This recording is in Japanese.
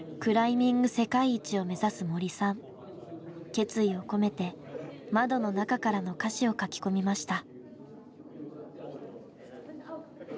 決意を込めて「窓の中から」の歌詞を書き込みました。